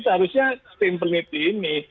seharusnya tim peneliti ini